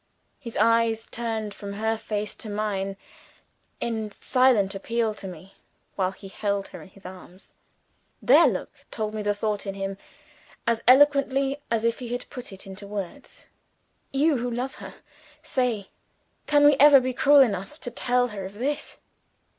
His eyes turned from her face to mine, in silent appeal to me while he held her in his arms. Their look told me the thought in him, as eloquently as if he had put it into words. "You, who love her, say can we ever be cruel enough to tell her of _this?